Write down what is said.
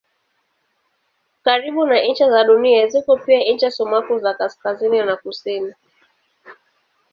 Karibu na ncha za Dunia ziko pia ncha sumaku za kaskazini na kusini.